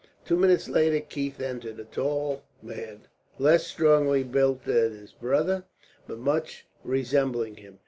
Two minutes later Keith entered a tall man, less strongly built than his brother, but much resembling him.